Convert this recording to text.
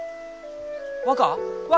若？